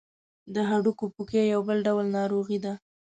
د هډوکو پوکی یو بل ډول ناروغي ده.